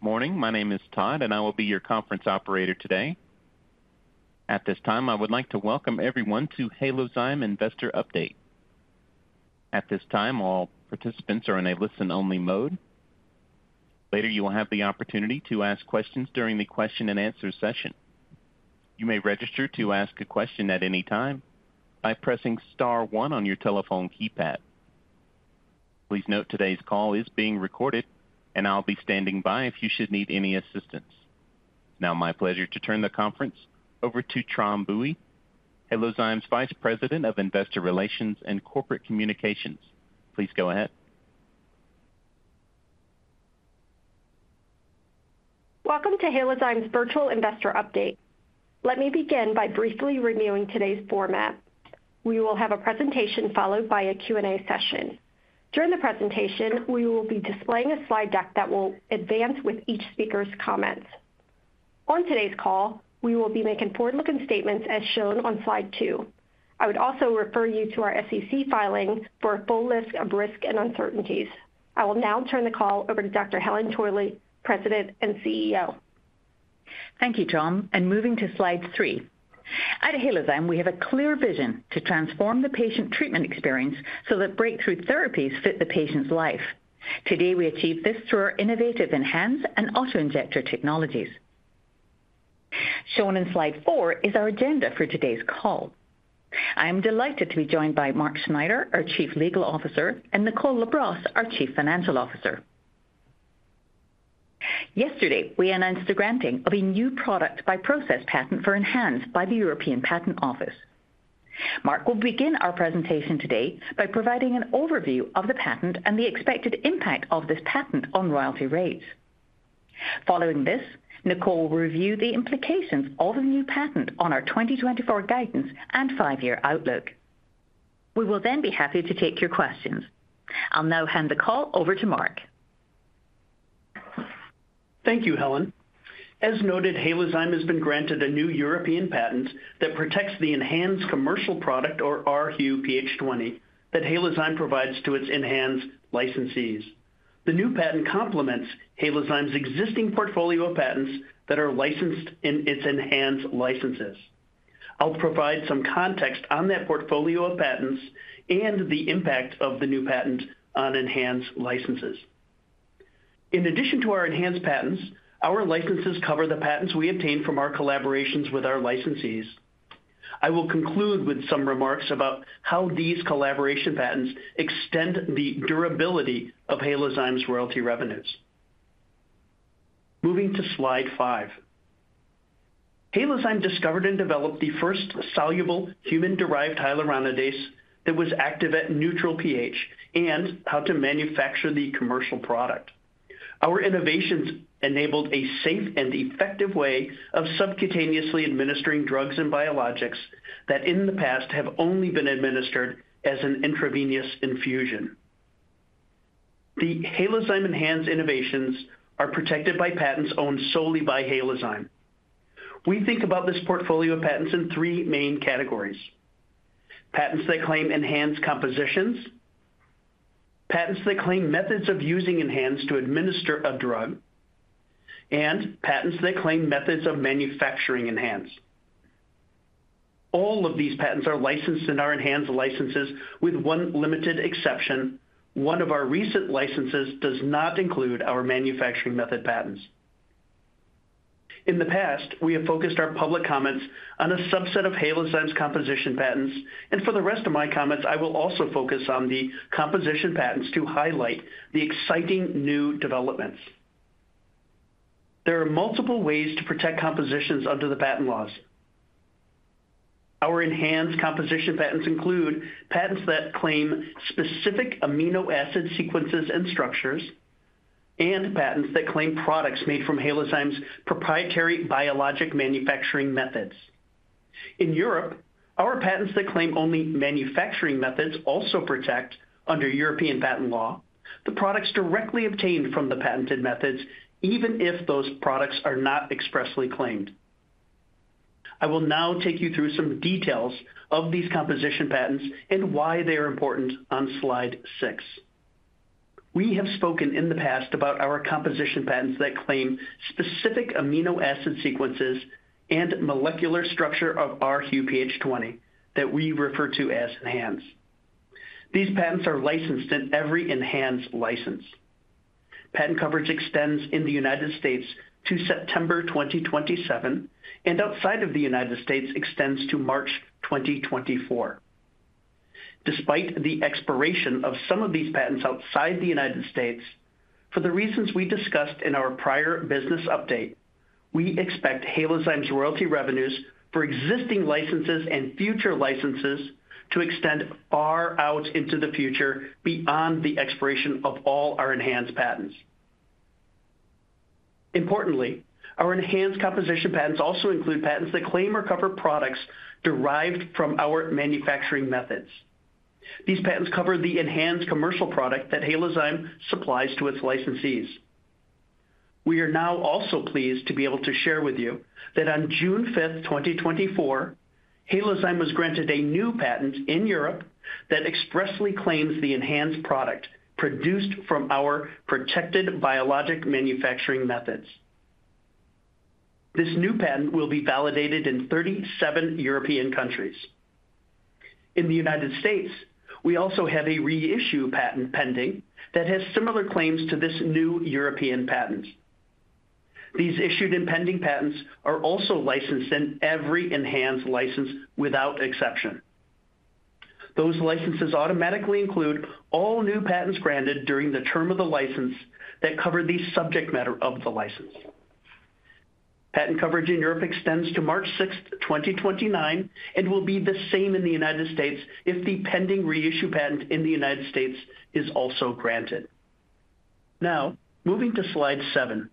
Good morning. My name is Todd, and I will be your conference operator today. At this time, I would like to welcome everyone to Halozyme Investor Update. At this time, all participants are in a listen-only mode. Later, you will have the opportunity to ask questions during the question and answer session. You may register to ask a question at any time by pressing star one on your telephone keypad. Please note today's call is being recorded, and I'll be standing by if you should need any assistance. Now, my pleasure to turn the conference over to Tram Bui, Halozyme's Vice President of Investor Relations and Corporate Communications. Please go ahead. Welcome to Halozyme's Virtual Investor Update. Let me begin by briefly reviewing today's format. We will have a presentation followed by a Q&A session. During the presentation, we will be displaying a slide deck that will advance with each speaker's comments. On today's call, we will be making forward-looking statements as shown on slide two. I would also refer you to our SEC filing for a full list of risks and uncertainties. I will now turn the call over to Dr. Helen Torley, President and CEO. Thank you, Tram, and moving to slide three. At Halozyme, we have a clear vision to transform the patient treatment experience so that breakthrough therapies fit the patient's life. Today, we achieve this through our innovative ENHANZE and auto-injector technologies. Shown in slide four is our agenda for today's call. I am delighted to be joined by Mark Snyder, our Chief Legal Officer, and Nicole LaBrosse, our Chief Financial Officer. Yesterday, we announced the granting of a new product-by-process patent for ENHANZE by the European Patent Office. Mark will begin our presentation today by providing an overview of the patent and the expected impact of this patent on royalty rates. Following this, Nicole will review the implications of the new patent on our 2024 guidance and five-year outlook. We will then be happy to take your questions. I'll now hand the call over to Mark. Thank you, Helen. As noted, Halozyme has been granted a new European patent that protects the ENHANZE commercial product, or rHuPH20, that Halozyme provides to its ENHANZE licensees. The new patent complements Halozyme's existing portfolio of patents that are licensed in its ENHANZE licenses. In addition to our ENHANZE patents, our licenses cover the patents we obtain from our collaborations with our licensees. I will conclude with some remarks about how these collaboration patents extend the durability of Halozyme's royalty revenues. Moving to Slide 5, Halozyme discovered and developed the first soluble, human-derived hyaluronidase that was active at neutral pH and how to manufacture the commercial product. Our innovations enabled a safe and effective way of subcutaneously administering drugs and biologics that, in the past, have only been administered as an intravenous infusion. The Halozyme ENHANZE innovations are protected by patents owned solely by Halozyme. We think about this portfolio of patents in three main categories. Patents that claim ENHANZE compositions, patents that claim methods of using ENHANZE to administer a drug, and patents that claim methods of manufacturing ENHANZE. All of these patents are licensed in our ENHANZE licenses, with one limited exception. One of our recent licenses does not include our manufacturing method patents. In the past, we have focused our public comments on a subset of Halozyme's composition patents, and for the rest of my comments, I will also focus on the composition patents to highlight the exciting new developments. There are multiple ways to protect compositions under the patent laws. Our ENHANZE composition patents include patents that claim specific amino acid sequences and structures, and patents that claim products made from Halozyme's proprietary biologic manufacturing methods. In Europe, our patents that claim only manufacturing methods also protect, under European patent law, the products directly obtained from the patented methods, even if those products are not expressly claimed. I will now take you through some details of these composition patents and why they are important on Slide 6. We have spoken in the past about our composition patents that claim specific amino acid sequences and molecular structure of rHuPH20 that we refer to as ENHANZE. These patents are licensed in every ENHANZE license. Patent coverage extends in the United States to September 2027, and outside of the United States extends to March 2024. Despite the expiration of some of these patents outside the United States, for the reasons we discussed in our prior business update, we expect Halozyme's royalty revenues for existing licenses and future licenses to extend far out into the future beyond the expiration of all our ENHANZE patents. Importantly, our ENHANZE composition patents also include patents that claim or cover products derived from our manufacturing methods. These patents cover the ENHANZE commercial product that Halozyme supplies to its licensees. We are now also pleased to be able to share with you that on June 5th, 2024, Halozyme was granted a new patent in Europe that expressly claims the ENHANZE product produced from our protected biologic manufacturing methods. This new patent will be validated in 37 European countries. In the United States, we also have a reissue patent pending that has similar claims to this new European patent. These issued and pending patents are also licensed in every ENHANZE license without exception. Those licenses automatically include all new patents granted during the term of the license that cover the subject matter of the license. Patent coverage in Europe extends to March 6, 2029, and will be the same in the United States if the pending reissue patent in the United States is also granted. Now, moving to Slide 7,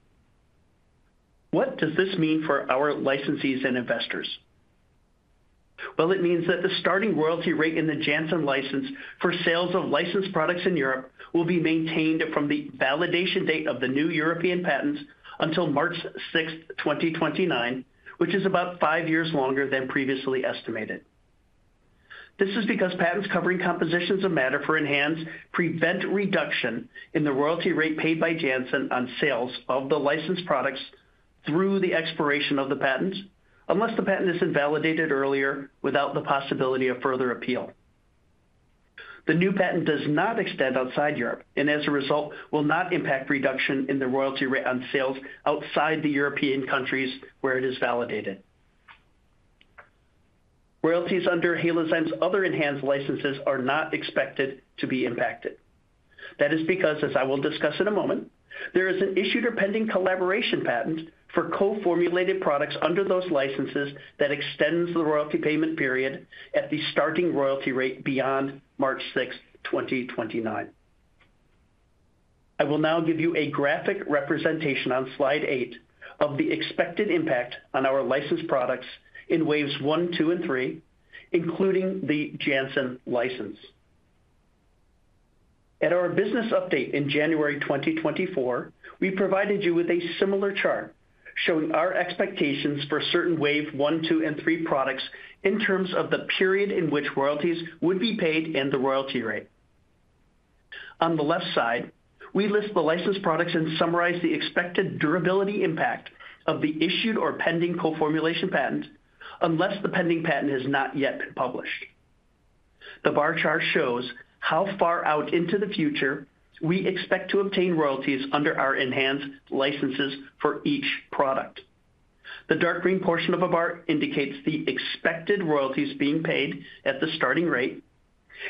what does this mean for our licensees and investors? Well, it means that the starting royalty rate in the Janssen license for sales of licensed products in Europe will be maintained from the validation date of the new European patents until March 6, 2029, which is about five years longer than previously estimated. This is because patents covering compositions of matter for ENHANZE prevent reduction in the royalty rate paid by Janssen on sales of the licensed products through the expiration of the patents, unless the patent is invalidated earlier without the possibility of further appeal. The new patent does not extend outside Europe, and as a result, will not impact reduction in the royalty rate on sales outside the European countries where it is validated. Royalties under Halozyme's other ENHANZE licenses are not expected to be impacted. That is because, as I will discuss in a moment, there is an issued or pending collaboration patent for co-formulated products under those licenses that extends the royalty payment period at the starting royalty rate beyond March 6, 2029. I will now give you a graphic representation on Slide 8 of the expected impact on our licensed products in waves one, two, and three, including the Janssen license. At our business update in January 2024, we provided you with a similar chart showing our expectations for certain wave one, two, and three products in terms of the period in which royalties would be paid and the royalty rate. On the left side, we list the licensed products and summarize the expected durability impact of the issued or pending co-formulation patent, unless the pending patent has not yet been published. The bar chart shows how far out into the future we expect to obtain royalties under our ENHANZE licenses for each product. The dark green portion of a bar indicates the expected royalties being paid at the starting rate,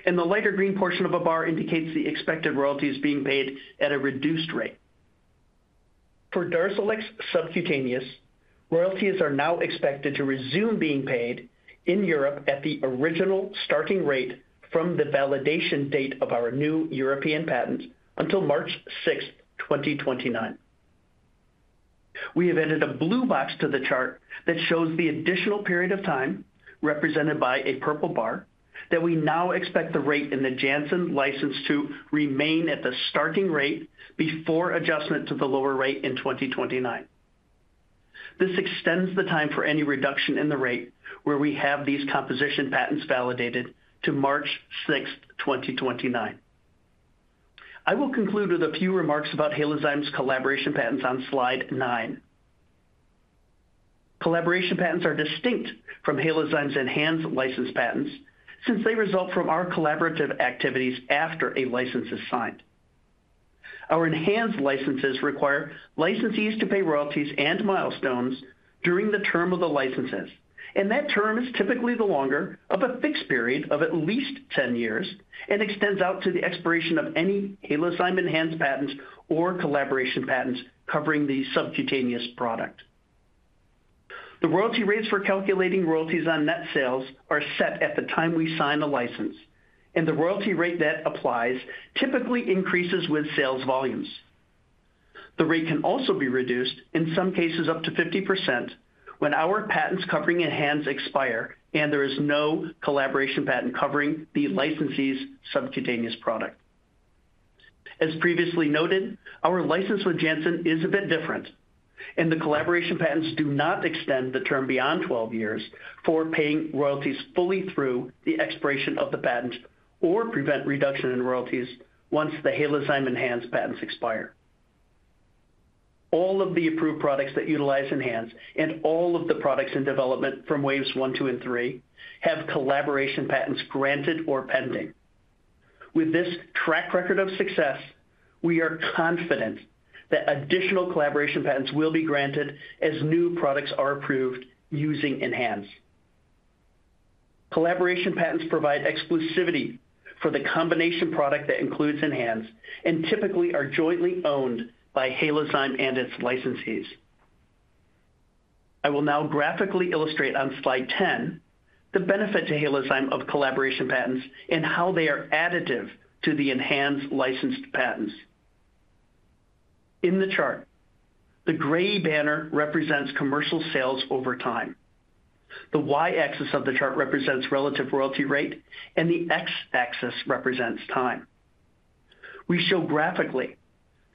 and the lighter green portion of a bar indicates the expected royalties being paid at a reduced rate. For DARZALEX subcutaneous, royalties are now expected to resume being paid in Europe at the original starting rate from the validation date of our new European patent until March 6, 2029. We have added a blue box to the chart that shows the additional period of time, represented by a purple bar, that we now expect the rate in the Janssen license to remain at the starting rate before adjustment to the lower rate in 2029. This extends the time for any reduction in the rate where we have these composition patents validated to March 6, 2029. I will conclude with a few remarks about Halozyme's collaboration patents on Slide 9. Collaboration patents are distinct from Halozyme's ENHANZE license patents, since they result from our collaborative activities after a license is signed. Our ENHANZE licenses require licensees to pay royalties and milestones during the term of the licenses, and that term is typically the longer of a fixed period of at least 10 years and extends out to the expiration of any Halozyme ENHANZE patents or collaboration patents covering the subcutaneous product. The royalty rates for calculating royalties on net sales are set at the time we sign the license, and the royalty rate that applies typically increases with sales volumes. The rate can also be reduced, in some cases up to 50%, when our patents covering ENHANZE expire and there is no collaboration patent covering the licensee's subcutaneous product. As previously noted, our license with Janssen is a bit different, and the collaboration patents do not extend the term beyond 12 years for paying royalties fully through the expiration of the patents or prevent reduction in royalties once the Halozyme ENHANZE patents expire. All of the approved products that utilize ENHANZE and all of the products in development from waves one, two, and three have collaboration patents granted or pending. With this track record of success, we are confident that additional collaboration patents will be granted as new products are approved using ENHANZE. Collaboration patents provide exclusivity for the combination product that includes ENHANZE and typically are jointly owned by Halozyme and its licensees. I will now graphically illustrate on Slide 10 the benefit to Halozyme of collaboration patents and how they are additive to the ENHANZE licensed patents. In the chart, the gray banner represents commercial sales over time. The Y-axis of the chart represents relative royalty rate, and the X-axis represents time. We show graphically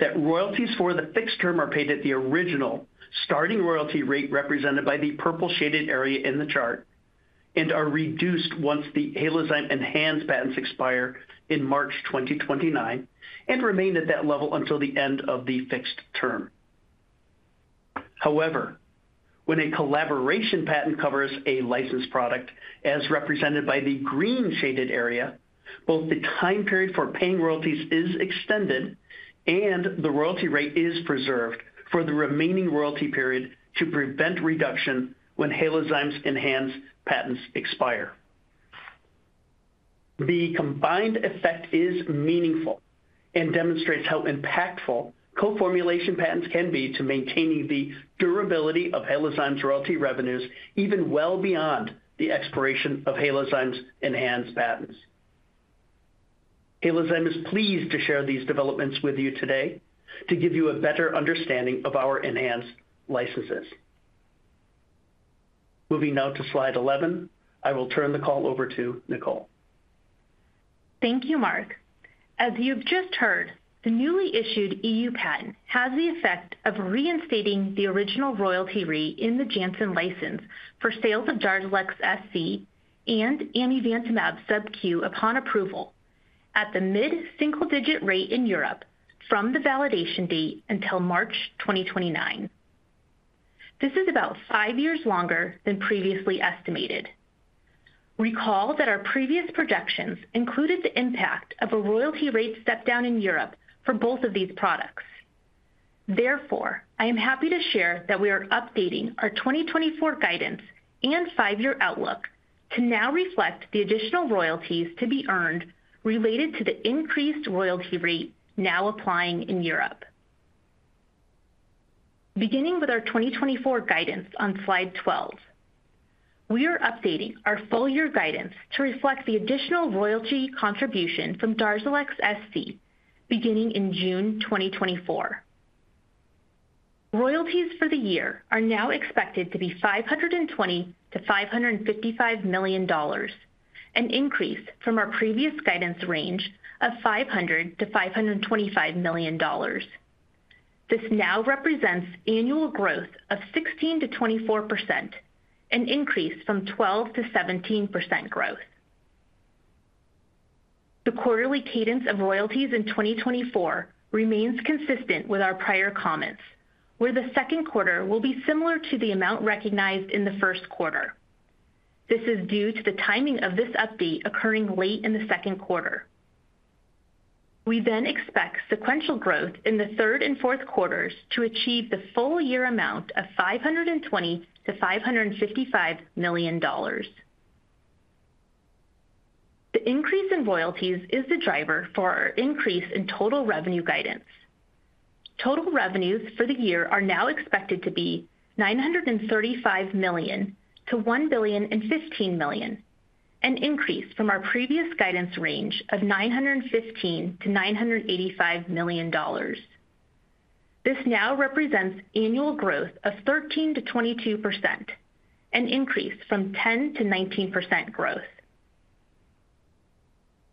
that royalties for the fixed term are paid at the original starting royalty rate, represented by the purple shaded area in the chart, and are reduced once the Halozyme ENHANZE patents expire in March 2029, and remain at that level until the end of the fixed term. However, when a collaboration patent covers a licensed product, as represented by the green shaded area, both the time period for paying royalties is extended, and the royalty rate is preserved for the remaining royalty period to prevent reduction when Halozyme's ENHANZE patents expire. The combined effect is meaningful and demonstrates how impactful co-formulation patents can be to maintaining the durability of Halozyme's royalty revenues, even well beyond the expiration of Halozyme's ENHANZE patents. Halozyme is pleased to share these developments with you today to give you a better understanding of our ENHANZE licenses. Moving now to Slide 11, I will turn the call over to Nicole. Thank you, Mark. As you've just heard, the newly issued EU patent has the effect of reinstating the original royalty rate in the Janssen license for sales of DARZALEX SC and amivantamab subQ upon approval at the mid-single-digit rate in Europe from the validation date until March 2029. This is about 5 years longer than previously estimated. Recall that our previous projections included the impact of a royalty rate step down in Europe for both of these products. Therefore, I am happy to share that we are updating our 2024 guidance and five-year outlook to now reflect the additional royalties to be earned related to the increased royalty rate now applying in Europe. Beginning with our 2024 guidance on Slide 12, we are updating our full year guidance to reflect the additional royalty contribution from DARZALEX SC beginning in June 2024. Royalties for the year are now expected to be $520 million-$555 million, an increase from our previous guidance range of $500 million-$525 million. This now represents annual growth of 16%-24%, an increase from 12%-17% growth. The quarterly cadence of royalties in 2024 remains consistent with our prior comments, where the second quarter will be similar to the amount recognized in the first quarter. This is due to the timing of this update occurring late in the second quarter. We then expect sequential growth in the third and fourth quarters to achieve the full year amount of $520 million-$555 million. The increase in royalties is the driver for our increase in total revenue guidance. Total revenues for the year are now expected to be $935 million-$1,015 million, an increase from our previous guidance range of $915 million-$985 million. This now represents annual growth of 13%-22%, an increase from 10%-19% growth.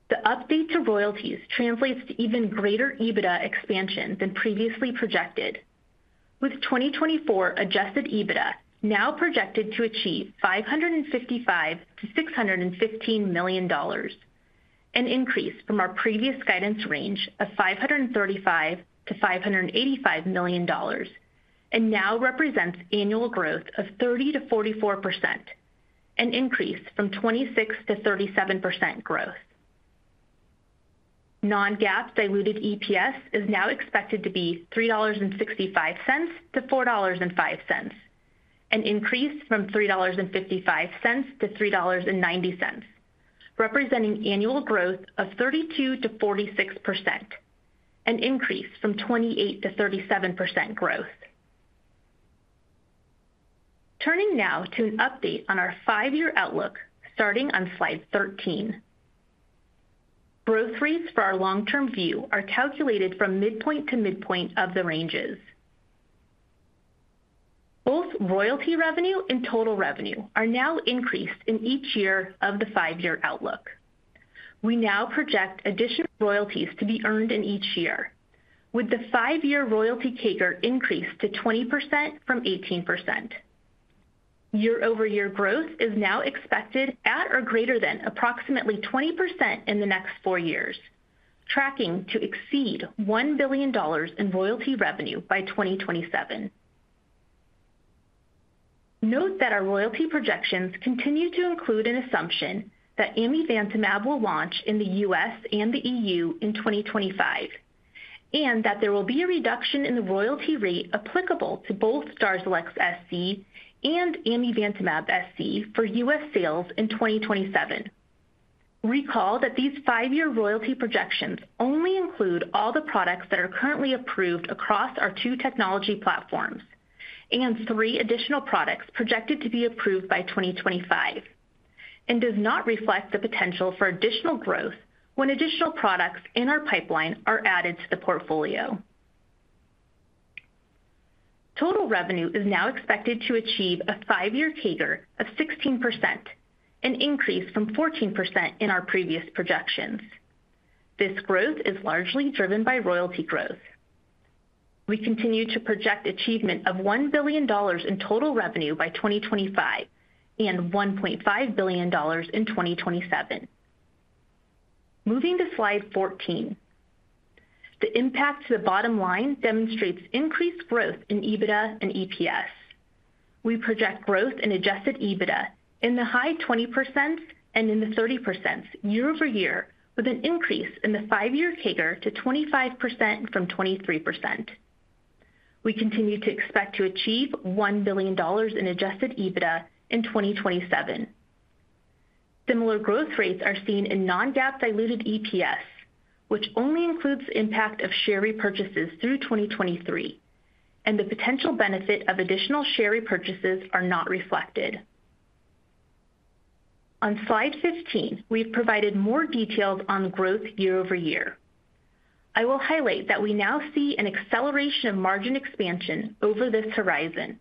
The update to royalties translates to even greater EBITDA expansion than previously projected, with 2024 Adjusted EBITDA now projected to achieve $555 million-$615 million, an increase from our previous guidance range of $535 million-$585 million, and now represents annual growth of 30%-44%, an increase from 26%-37% growth. Non-GAAP diluted EPS is now expected to be $3.65-$4.05, an increase from $3.55-$3.90, representing annual growth of 32%-46%, an increase from 28%-37% growth. Turning now to an update on our five-year outlook, starting on Slide 13. Growth rates for our long-term view are calculated from midpoint to midpoint of the ranges. Both royalty revenue and total revenue are now increased in each year of the five-year outlook. We now project additional royalties to be earned in each year, with the five-year royalty CAGR increased to 20% from 18%. Year-over-year growth is now expected at or greater than approximately 20% in the next four years, tracking to exceed $1 billion in royalty revenue by 2027. Note that our royalty projections continue to include an assumption that amivantamab will launch in the U.S. and the EU in 2025, and that there will be a reduction in the royalty rate applicable to both DARZALEX SC and amivantamab SC for U.S. sales in 2027. Recall that these five-year royalty projections only include all the products that are currently approved across our two technology platforms, and three additional products projected to be approved by 2025, and does not reflect the potential for additional growth when additional products in our pipeline are added to the portfolio.... Total revenue is now expected to achieve a five-year CAGR of 16%, an increase from 14% in our previous projections. This growth is largely driven by royalty growth. We continue to project achievement of $1 billion in total revenue by 2025, and $1.5 billion in 2027. Moving to Slide 14, the impact to the bottom line demonstrates increased growth in EBITDA and EPS. We project growth in Adjusted EBITDA in the high 20% and in the 30% year-over-year, with an increase in the 5-year CAGR to 25% from 23%. We continue to expect to achieve $1 billion in Adjusted EBITDA in 2027. Similar growth rates are seen in non-GAAP diluted EPS, which only includes the impact of share repurchases through 2023, and the potential benefit of additional share repurchases are not reflected. On Slide 15, we've provided more details on growth year-over-year. I will highlight that we now see an acceleration of margin expansion over this horizon,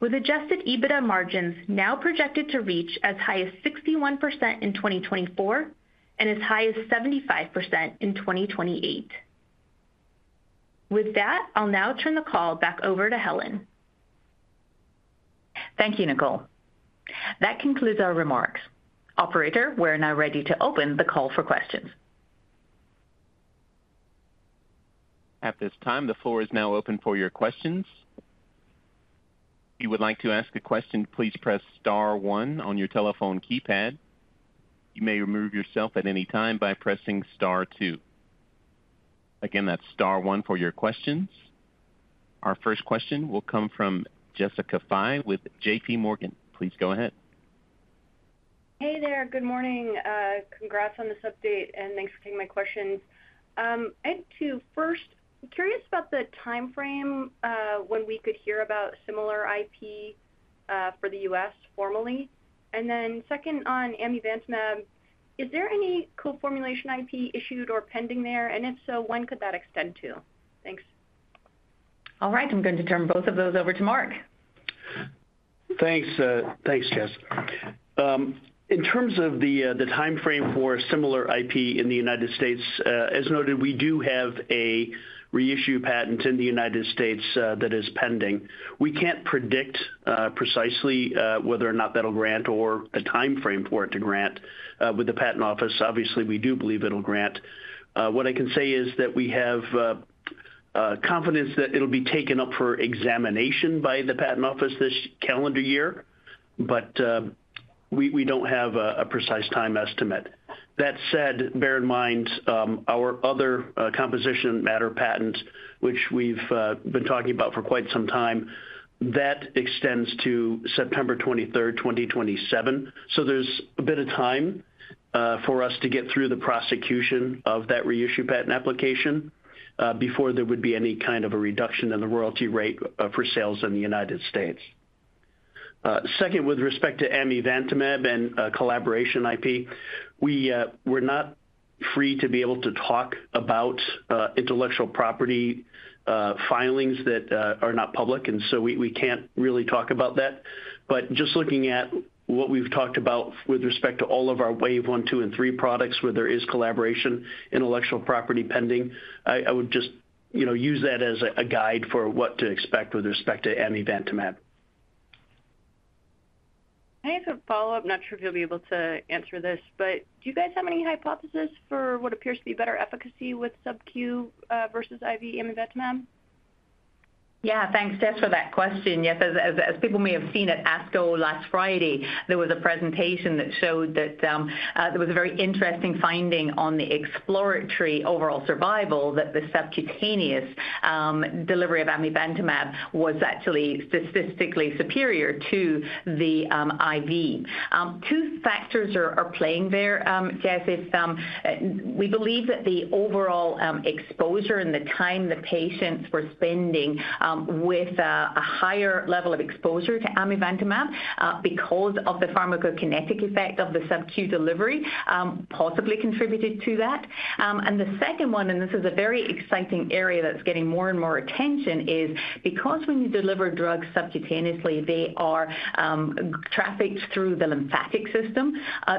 with Adjusted EBITDA margins now projected to reach as high as 61% in 2024 and as high as 75% in 2028. With that, I'll now turn the call back over to Helen. Thank you, Nicole. That concludes our remarks. Operator, we're now ready to open the call for questions. At this time, the floor is now open for your questions. If you would like to ask a question, please press star one on your telephone keypad. You may remove yourself at any time by pressing star two. Again, that's star one for your questions. Our first question will come from Jessica Fye with J.P. Morgan. Please go ahead. Hey there. Good morning. Congrats on this update, and thanks for taking my questions. I had two. First, I'm curious about the time frame, when we could hear about similar IP, for the U.S. formally. And then second, on amivantamab, is there any co-formulation IP issued or pending there? And if so, when could that extend to? Thanks. All right. I'm going to turn both of those over to Mark. Thanks, thanks, Jess. In terms of the time frame for similar IP in the United States, as noted, we do have a reissue patent in the United States that is pending. We can't predict precisely whether or not that'll grant or a time frame for it to grant with the patent office. Obviously, we do believe it'll grant. What I can say is that we have confidence that it'll be taken up for examination by the Patent Office this calendar year, but we don't have a precise time estimate. That said, bear in mind our other composition matter patents, which we've been talking about for quite some time, that extends to September 23, 2027. So there's a bit of time for us to get through the prosecution of that reissue patent application before there would be any kind of a reduction in the royalty rate for sales in the United States. Second, with respect to amivantamab and collaboration IP, we're not free to be able to talk about intellectual property filings that are not public, and so we can't really talk about that. But just looking at what we've talked about with respect to all of our wave one, two, and three products, where there is collaboration intellectual property pending, I would just, you know, use that as a guide for what to expect with respect to amivantamab. I have a follow-up. Not sure if you'll be able to answer this, but do you guys have any hypothesis for what appears to be better efficacy with subQ versus IV amivantamab? Yeah, thanks, Jess, for that question. Yes, as people may have seen at ASCO last Friday, there was a presentation that showed that there was a very interesting finding on the exploratory overall survival, that the subcutaneous delivery of amivantamab was actually statistically superior to the IV. Two factors are playing there, Jess. It's, we believe that the overall exposure and the time the patients were spending with a higher level of exposure to amivantamab because of the pharmacokinetic effect of the subQ delivery possibly contributed to that. And the second one, and this is a very exciting area that's getting more and more attention, is because when you deliver drugs subcutaneously, they are trafficked through the lymphatic system,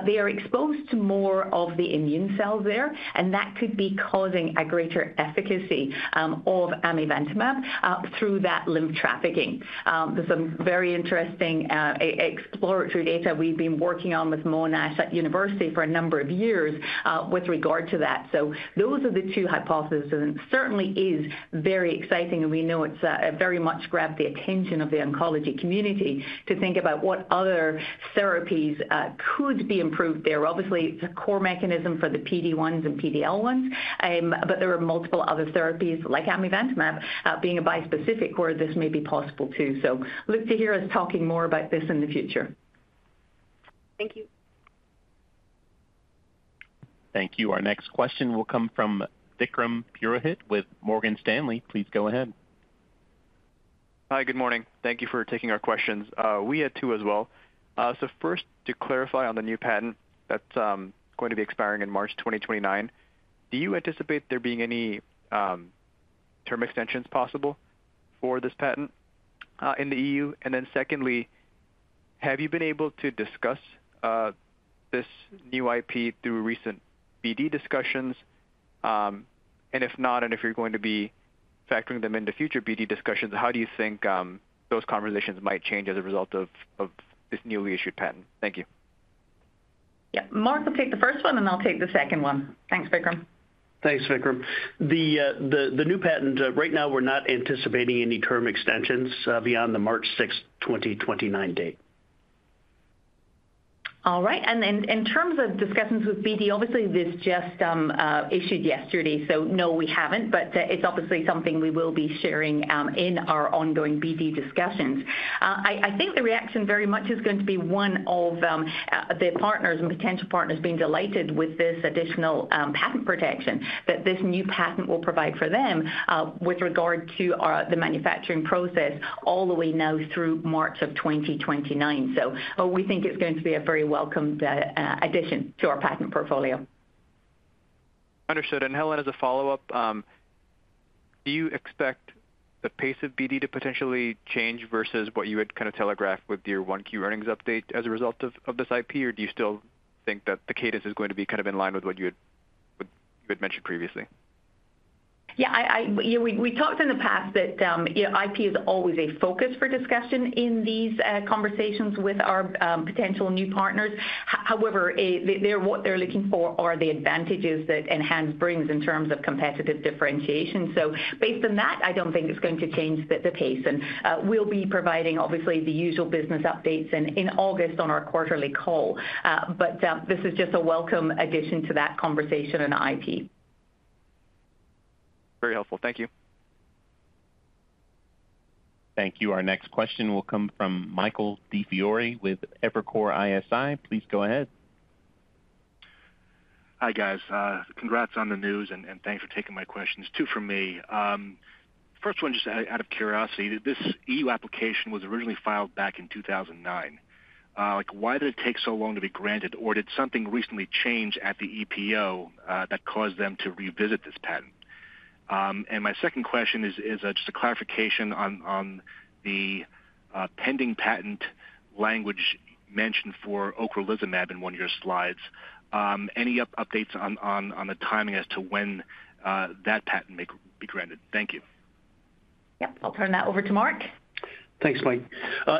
they are exposed to more of the immune cells there, and that could be causing a greater efficacy of amivantamab through that lymph trafficking. There's some very interesting exploratory data we've been working on with Monash University for a number of years with regard to that. So those are the two hypotheses, and it certainly is very exciting, and we know it's very much grabbed the attention of the oncology community to think about what other therapies could be improved there. Obviously, it's a core mechanism for the PD-1s and PD-L1s, but there are multiple other therapies like amivantamab, being a bispecific, where this may be possible too. So look to hear us talking more about this in the future. Thank you. Thank you. Our next question will come from Vikram Purohit with Morgan Stanley. Please go ahead. Hi, good morning. Thank you for taking our questions. We had two as well. So first, to clarify on the new patent that's going to be expiring in March 2029. Do you anticipate there being any term extensions possible for this patent in the EU? And then secondly, have you been able to discuss this new IP through recent BD discussions? And if not, and if you're going to be factoring them into future BD discussions, how do you think those conversations might change as a result of this newly issued patent? Thank you. Yeah, Mark will take the first one, and I'll take the second one. Thanks, Vikram. Thanks, Vikram. The new patent, right now, we're not anticipating any term extensions beyond the March 6th, 2029 date. All right. And then in terms of discussions with BD, obviously, this just issued yesterday, so no, we haven't, but it's obviously something we will be sharing in our ongoing BD discussions. I think the reaction very much is going to be one of the partners and potential partners being delighted with this additional patent protection that this new patent will provide for them with regard to the manufacturing process all the way now through March of 2029. So we think it's going to be a very welcomed addition to our patent portfolio. Understood. And, Helen, as a follow-up, do you expect the pace of BD to potentially change versus what you had kind of telegraphed with your 1Q earnings update as a result of, of this IP? Or do you still think that the cadence is going to be kind of in line with what you had, you had mentioned previously? Yeah, we talked in the past that yeah, IP is always a focus for discussion in these conversations with our potential new partners. However, what they're looking for are the advantages that ENHANZE brings in terms of competitive differentiation. So based on that, I don't think it's going to change the pace. And we'll be providing, obviously, the usual business updates in August on our quarterly call. But this is just a welcome addition to that conversation on IP. Very helpful. Thank you. Thank you. Our next question will come from Michael DiFiore with Evercore ISI. Please go ahead. Hi, guys. Congrats on the news, and thanks for taking my questions. Two from me. First one, just out of curiosity, this EU application was originally filed back in 2009. Why did it take so long to be granted, or did something recently change at the EPO that caused them to revisit this patent? And my second question is just a clarification on the pending patent language mentioned for ocrelizumab in one of your slides. Any updates on the timing as to when that patent may be granted? Thank you. Yep. I'll turn that over to Mark. Thanks, Mike.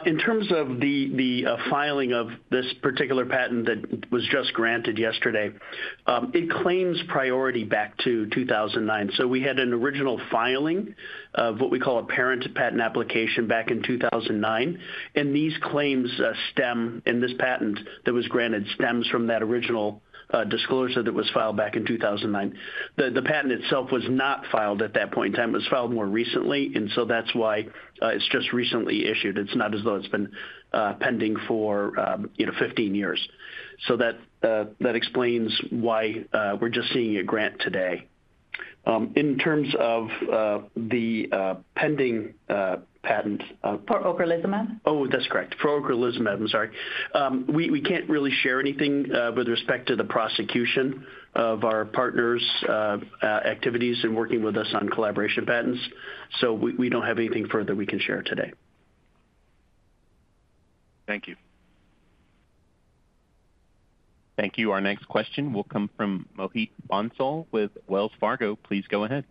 In terms of the filing of this particular patent that was just granted yesterday, it claims priority back to 2009. So we had an original filing of what we call a parent patent application back in 2009, and these claims stem, and this patent that was granted stems from that original disclosure that was filed back in 2009. The patent itself was not filed at that point in time. It was filed more recently, and so that's why it's just recently issued. It's not as though it's been pending for, you know, 15 years. So that explains why we're just seeing a grant today. In terms of the pending patent, For ocrelizumab? Oh, that's correct. For ocrelizumab, I'm sorry. We can't really share anything with respect to the prosecution of our partners' activities in working with us on collaboration patents, so we don't have anything further we can share today. Thank you. Thank you. Our next question will come from Mohit Bansal with Wells Fargo. Please go ahead.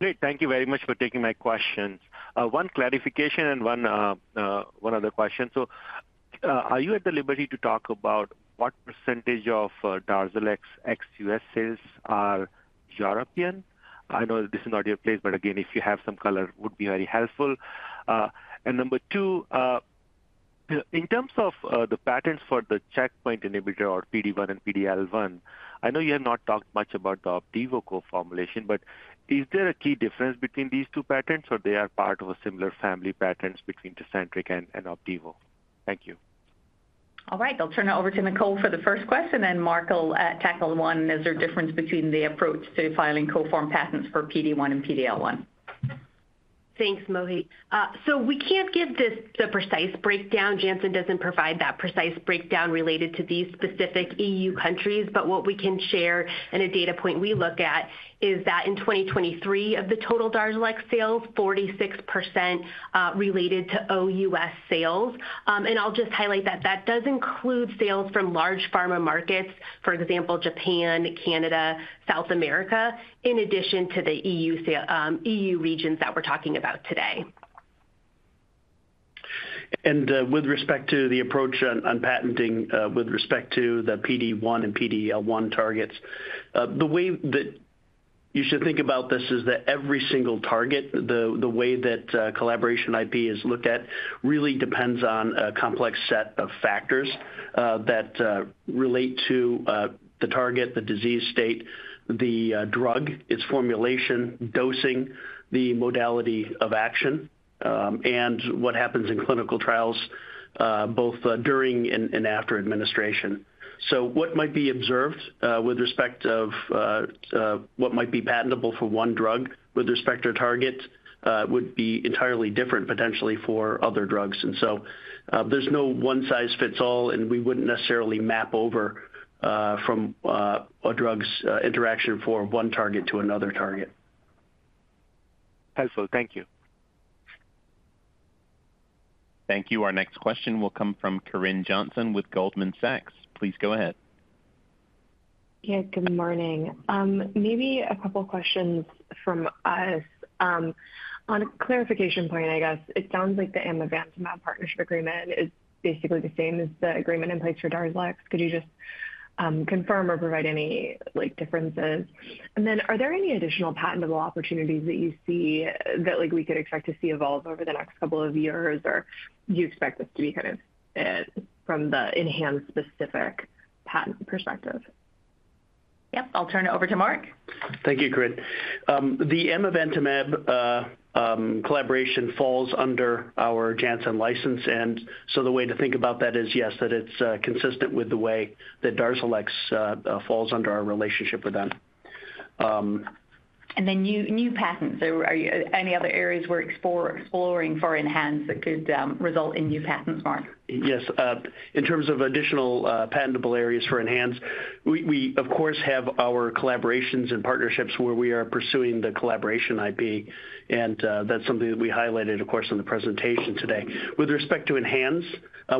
Great. Thank you very much for taking my questions. One clarification and one other question. So, are you at the liberty to talk about what percentage of DARZALEX ex-U.S. sales are European? I know this is not your place, but again, if you have some color, would be very helpful. And number two, in terms of the patents for the checkpoint inhibitor or PD-1 and PD-L1, I know you have not talked much about the Opdivo co-formulation, but is there a key difference between these two patents, or they are part of a similar family patents between Tecentriq and Opdivo? Thank you. All right. I'll turn it over to Nicole for the first question, and Mark will tackle one, is there a difference between the approach to filing co-form patents for PD-1 and PD-L1? Thanks, Mohit. So we can't give this the precise breakdown. Janssen doesn't provide that precise breakdown related to these specific EU countries, but what we can share and a data point we look at is that in 2023 of the total DARZALEX sales, 46% related to OUS sales. And I'll just highlight that that does include sales from large pharma markets, for example, Japan, Canada, South America, in addition to the EU regions that we're talking about today. And with respect to the approach on patenting with respect to the PD-1 and PD-L1 targets, the way that you should think about this is that every single target, the way that collaboration IP is looked at really depends on a complex set of factors that relate to the target, the disease state, the drug, its formulation, dosing, the modality of action, and what happens in clinical trials, both during and after administration. So what might be observed with respect to what might be patentable for one drug with respect to target would be entirely different potentially for other drugs. And so there's no one-size-fits-all, and we wouldn't necessarily map over from a drug's interaction for one target to another target. Helpful. Thank you. Thank you. Our next question will come from Corinne Jenkins with Goldman Sachs. Please go ahead. Yeah, good morning. Maybe a couple questions from us. On a clarification point, I guess it sounds like the amivantamab partnership agreement is basically the same as the agreement in place for Darzalex. Could you just confirm or provide any, like, differences? And then are there any additional patentable opportunities that you see that, like, we could expect to see evolve over the next couple of years? Or do you expect this to be kind of from the ENHANZE-specific patent perspective? Yep, I'll turn it over to Mark. Thank you, Corinne. The amivantamab collaboration falls under our Janssen license, and so the way to think about that is, yes, that it's consistent with the way that DARZALEX falls under our relationship with them. And then new patents. Are there any other areas we're exploring for ENHANZE that could result in new patents, Mark? Yes. In terms of additional patentable areas for ENHANZE, we of course have our collaborations and partnerships where we are pursuing the collaboration IP, and that's something that we highlighted, of course, in the presentation today. With respect to ENHANZE,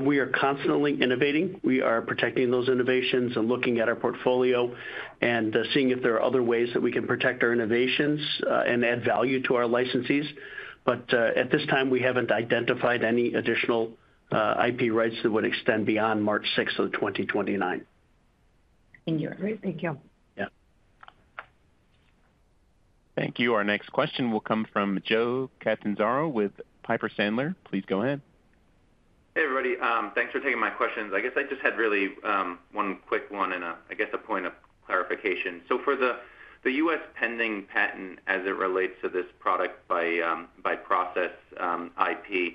we are constantly innovating. We are protecting those innovations and looking at our portfolio and seeing if there are other ways that we can protect our innovations and add value to our licensees. But at this time, we haven't identified any additional IP rights that would extend beyond March 6th of 2029. Thank you. Great. Thank you. Yeah. Thank you. Our next question will come from Joe Catanzaro with Piper Sandler. Please go ahead. Hey, everybody. Thanks for taking my questions. I guess I just had really one quick one and a, I guess, a point of clarification. So for the U.S. pending patent as it relates to this product-by-process IP,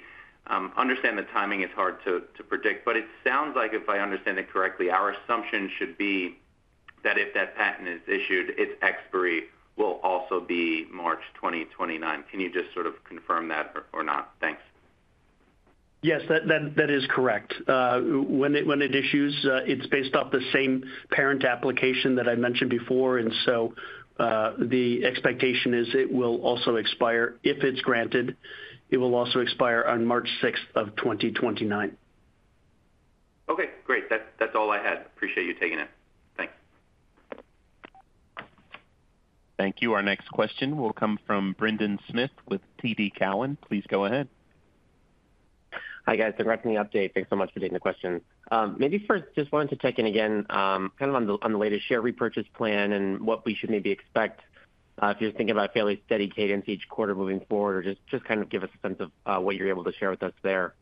understand the timing is hard to predict, but it sounds like, if I understand it correctly, our assumption should be that if that patent is issued, its expiry will also be March 2029. Can you just sort of confirm that or not? Thanks. Yes, that is correct. When it issues, it's based off the same parent application that I mentioned before, and so the expectation is it will also expire. If it's granted, it will also expire on March 6, 2029. Okay, great. That's, that's all I had. Appreciate you taking it. Thanks. Thank you. Our next question will come from Brendan Smith with TD Cowen. Please go ahead. Hi, guys. Congrats on the update. Thanks so much for taking the question. Maybe first, just wanted to check in again, kind of on the, on the latest share repurchase plan and what we should maybe expect, if you're thinking about a fairly steady cadence each quarter moving forward, or just, just kind of give us a sense of, what you're able to share with us there.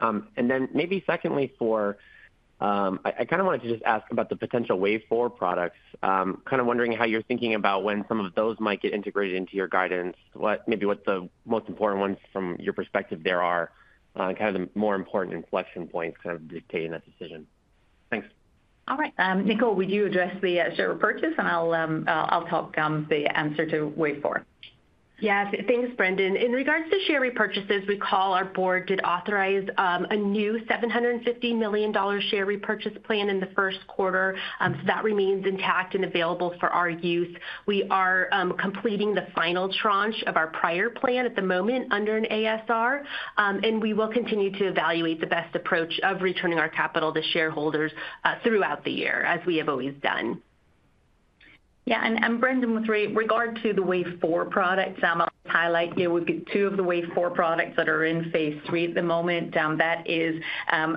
And then maybe secondly, I kind of wanted to just ask about the potential wave four products. Kind of wondering how you're thinking about when some of those might get integrated into your guidance. What, maybe what's the most important ones from your perspective there are, kind of the more important inflection points kind of dictating that decision. Thanks. All right. Nicole, would you address the share purchase, and I'll help come the answer to Q4. Yes, thanks, Brendan. In regards to share repurchases, our board did authorize a new $750 million share repurchase plan in the first quarter. So that remains intact and available for our use. We are completing the final tranche of our prior plan at the moment under an ASR, and we will continue to evaluate the best approach of returning our capital to shareholders throughout the year, as we have always done. Yeah, and Brendan, with regard to the wave four products, I'll highlight here, we've got two of the wave four products that are in Phase III at the moment. That is,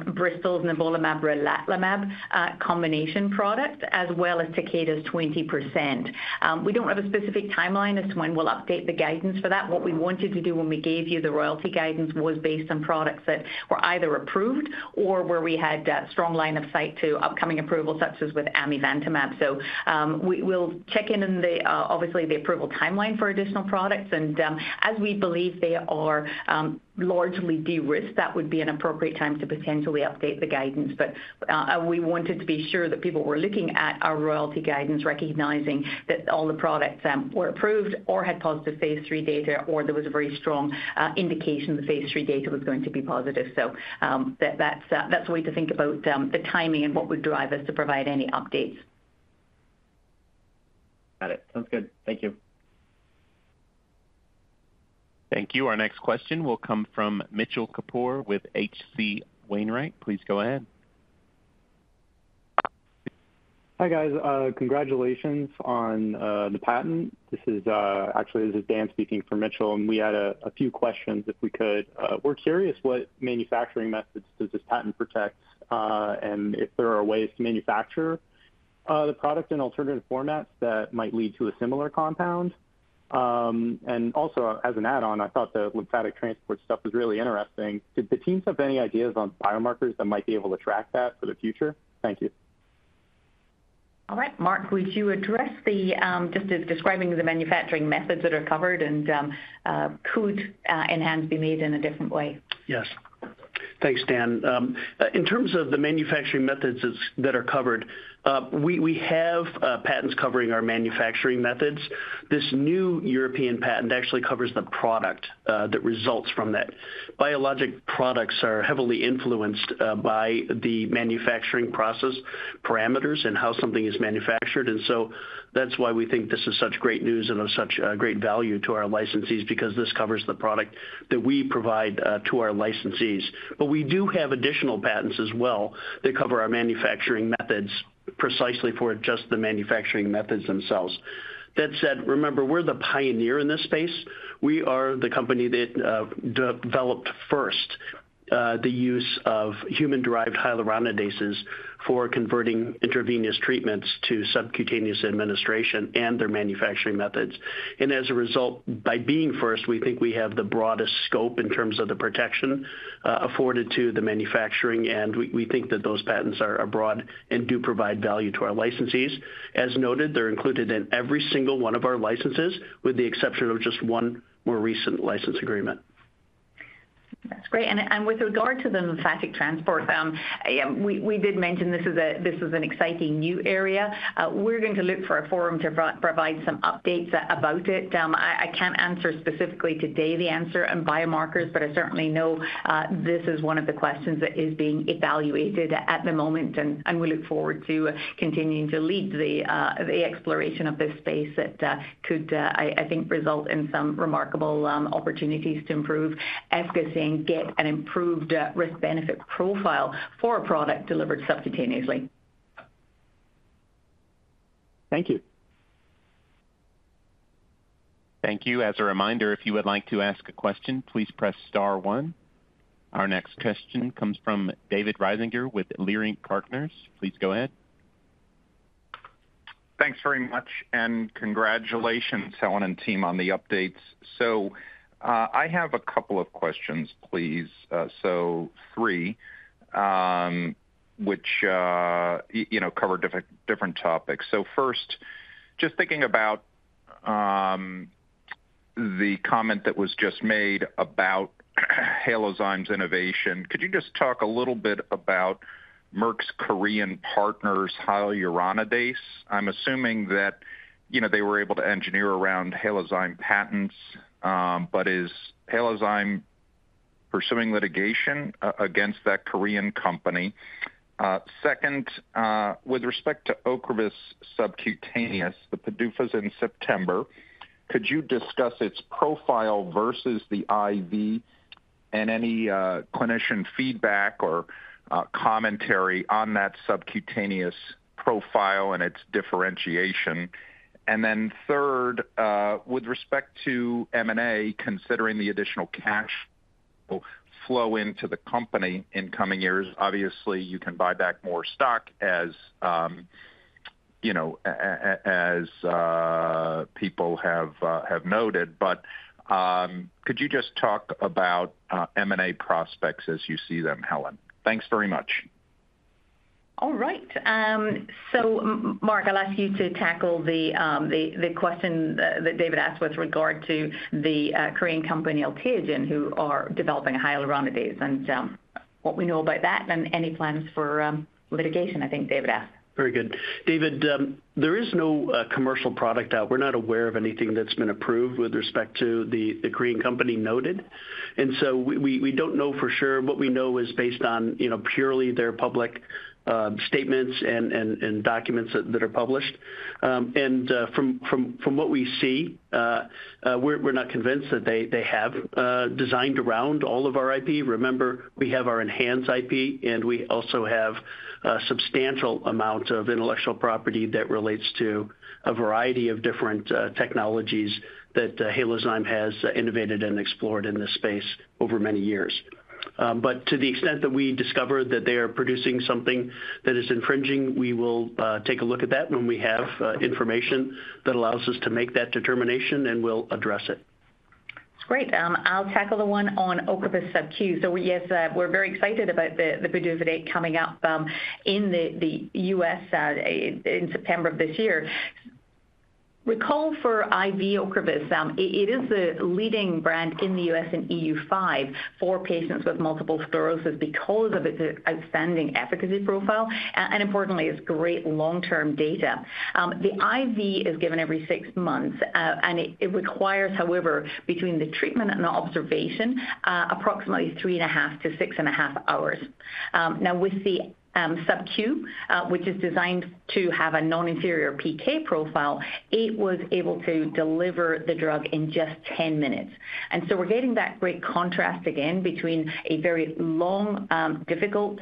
Bristol's nivolumab/relatimab combination product, as well as Takeda's 20%. We don't have a specific timeline as to when we'll update the guidance for that. What we wanted to do when we gave you the royalty guidance was based on some products that were either approved or where we had a strong line of sight to upcoming approval, such as with amivantamab. So, we'll check in on, obviously, the approval timeline for additional products, and, as we believe they are largely de-risked, that would be an appropriate time to potentially update the guidance. But we wanted to be sure that people were looking at our royalty guidance, recognizing that all the products were approved or had positive Phase III data, or there was a very strong indication the Phase III data was going to be positive. That's a way to think about the timing and what would drive us to provide any updates. Got it. Sounds good. Thank you. Thank you. Our next question will come from Mitchell Kapoor with H.C. Wainwright. Please go ahead. Hi, guys. Congratulations on the patent. This is actually this is Dan speaking for Mitchell, and we had a few questions, if we could. We're curious what manufacturing methods does this patent protect, and if there are ways to manufacture the product in alternative formats that might lead to a similar compound? And also, as an add-on, I thought the lymphatic transport stuff was really interesting. Did the teams have any ideas on biomarkers that might be able to track that for the future? Thank you. All right, Mark, would you address the just describing the manufacturing methods that are covered and could ENHANZE be made in a different way? Yes. Thanks, Dan. In terms of the manufacturing methods that are covered, we have patents covering our manufacturing methods. This new European patent actually covers the product that results from that. Biologics are heavily influenced by the manufacturing process parameters and how something is manufactured, and so that's why we think this is such great news and of such great value to our licensees, because this covers the product that we provide to our licensees. But we do have additional patents as well that cover our manufacturing methods precisely for just the manufacturing methods themselves. That said, remember, we're the pioneer in this space. We are the company that developed first the use of human-derived hyaluronidases for converting intravenous treatments to subcutaneous administration and their manufacturing methods. As a result, by being first, we think we have the broadest scope in terms of the protection afforded to the manufacturing, and we think that those patents are broad and do provide value to our licensees. As noted, they're included in every single one of our licenses, with the exception of just one more recent license agreement. That's great. With regard to the lymphatic transport, we did mention this is an exciting new area. We're going to look for a forum to provide some updates about it. I can't answer specifically today the answer on biomarkers, but I certainly know this is one of the questions that is being evaluated at the moment, and we look forward to continuing to lead the exploration of this space that could, I think, result in some remarkable opportunities to improve efficacy and get an improved risk-benefit profile for a product delivered subcutaneously. Thank you. Thank you. As a reminder, if you would like to ask a question, please press star one. Our next question comes from David Risinger with Leerink Partners. Please go ahead. Thanks very much, and congratulations, Helen and team, on the updates. So, I have a couple of questions, please, so three, which, you know, cover different, different topics. So first, just thinking about, the comment that was just made about Halozyme's innovation, could you just talk a little bit about Merck's Korean partners, hyaluronidase? I'm assuming that, you know, they were able to engineer around Halozyme patents, but is Halozyme pursuing litigation against that Korean company? Second, with respect to Ocrevus subcutaneous, the PDUFA's in September, could you discuss its profile versus the IV and any, clinician feedback or, commentary on that subcutaneous profile and its differentiation? And then third, with respect to M&A, considering the additional cash flow into the company in coming years, obviously, you can buy back more stock, as you know, as people have noted. But, could you just talk about M&A prospects as you see them, Helen? Thanks very much. All right. So Mark, I'll ask you to tackle the question that David asked with regard to the Korean company, Alteogen, who are developing hyaluronidase, and what we know about that and any plans for litigation, I think David asked. Very good. David, there is no commercial product out. We're not aware of anything that's been approved with respect to the Korean company noted, and so we don't know for sure. What we know is based on, you know, purely their public statements and documents that are published. And from what we see, we're not convinced that they have designed around all of our IP. Remember, we have our ENHANZE IP, and we also have a substantial amount of intellectual property that relates to a variety of different technologies that Halozyme has innovated and explored in this space over many years. But to the extent that we discover that they are producing something that is infringing, we will take a look at that when we have information that allows us to make that determination, and we'll address it. Great. I'll tackle the one on Ocrevus subQ. So yes, we're very excited about the PDUFA date coming up in the U.S. in September of this year. Recall for IV Ocrevus, it is the leading brand in the U.S. and EU5 for patients with multiple sclerosis because of its outstanding efficacy profile and importantly, its great long-term data. The IV is given every six months and it requires, however, between the treatment and the observation approximately 3.5-6.5 hours. Now, with the subQ, which is designed to have a non-inferior PK profile, it was able to deliver the drug in just 10 minutes. And so we're getting that great contrast again between a very long, difficult,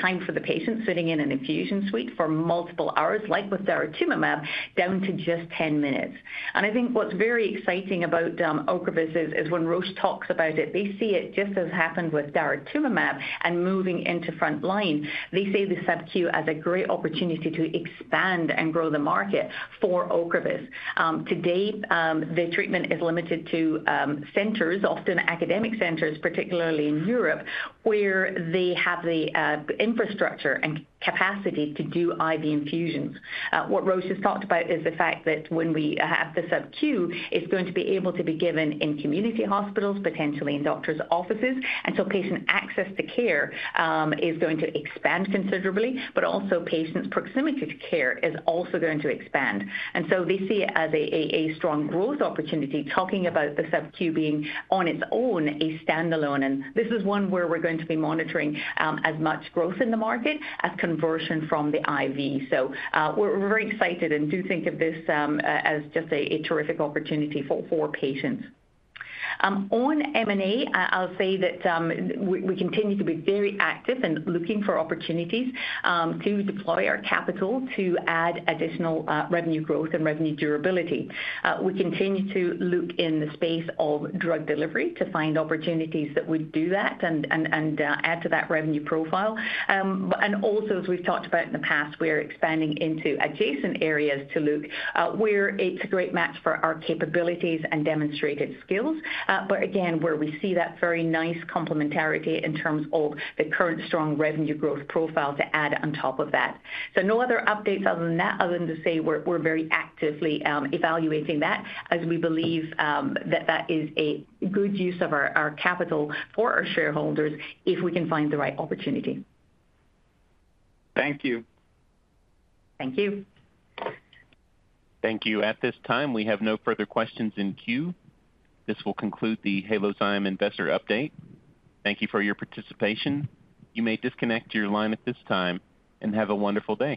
time for the patient sitting in an infusion suite for multiple hours, like with daratumumab, down to just 10 minutes. And I think what's very exciting about Ocrevus is when Roche talks about it, they see it just as happened with daratumumab and moving into front line. They see the subQ as a great opportunity to expand and grow the market for Ocrevus. To date, the treatment is limited to centers, often academic centers, particularly in Europe, where they have the infrastructure and capacity to do IV infusions. What Roche has talked about is the fact that when we have the subQ, it's going to be able to be given in community hospitals, potentially in doctor's offices, and so patient access to care is going to expand considerably, but also patient's proximity to care is also going to expand. And so they see it as a strong growth opportunity, talking about the subQ being on its own, a standalone, and this is one where we're going to be monitoring as much growth in the market as conversion from the IV. So, we're very excited and do think of this as just a terrific opportunity for patients. On M&A, I'll say that we continue to be very active and looking for opportunities to deploy our capital to add additional revenue growth and revenue durability. We continue to look in the space of drug delivery to find opportunities that would do that and add to that revenue profile. But also, as we've talked about in the past, we're expanding into adjacent areas to look where it's a great match for our capabilities and demonstrated skills, but again, where we see that very nice complementarity in terms of the current strong revenue growth profile to add on top of that. So no other updates other than that, other than to say we're very actively evaluating that, as we believe that that is a good use of our capital for our shareholders if we can find the right opportunity. Thank you. Thank you. Thank you. At this time, we have no further questions in queue. This will conclude the Halozyme investor update. Thank you for your participation. You may disconnect your line at this time, and have a wonderful day.